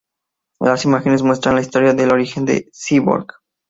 Las imágenes muestran la historia del origen de Cyborg.